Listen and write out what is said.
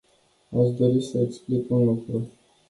Aș dori să explic un lucru.